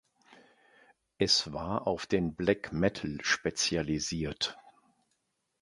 Es war auf den Black Metal spezialisiert.